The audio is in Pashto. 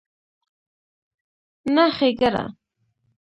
نه ښېګړه